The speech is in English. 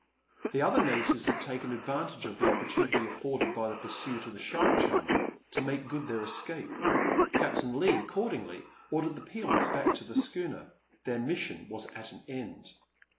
The other natives had taken advantage of the opportunity afforded by the pursuit of the shark charmer to make good their escape. Captain Leigh accordingly ordered the peons back to the schooner. Their mission was at an end.